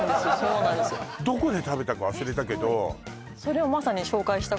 どこで食べたか忘れたけどえっ